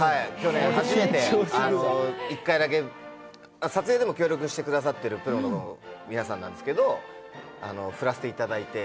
去年、初めて１回だけ、撮影でも協力してくださっているプロの皆さんなんですけど、振らせていただいて。